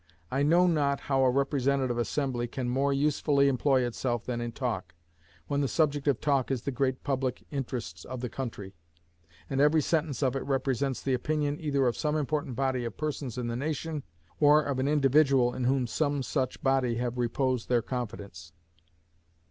I know not how a representative assembly can more usefully employ itself than in talk, when the subject of talk is the great public interests of the country, and every sentence of it represents the opinion either of some important body of persons in the nation, or of an individual in whom some such body have reposed their confidence.